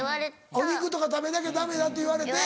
「お肉とか食べなきゃダメだ」と言われて。